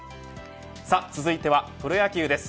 続いては、プロ野球です。